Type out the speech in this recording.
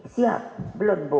siap belum bu